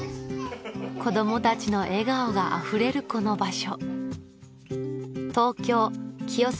子供たちの笑顔があふれるこの場所